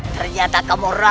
ternyata kamu rapi